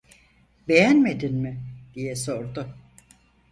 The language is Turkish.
"Beğenmedin mi?" diye sordu.